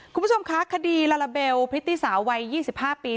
คุณผู้ชมคะคดีลาลาเบลพริตตี้สาววัย๒๕ปี